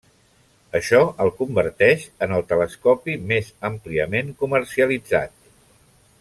Això el converteix en el telescopi més àmpliament comercialitzat.